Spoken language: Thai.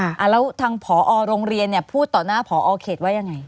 แล้วทางผอโรงเรียนเนี่ยพูดต่อหน้าผอเขตว่ายังไง